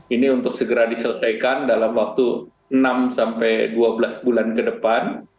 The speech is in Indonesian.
ini untuk segera diselesaikan dalam waktu enam sampai dua belas bulan ke depan